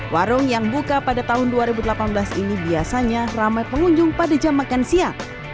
warung yang buka pada tahun dua ribu delapan belas ini biasanya ramai pengunjung pada jam makan siang